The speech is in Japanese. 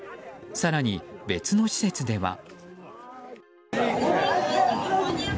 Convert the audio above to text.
更に別の施設では。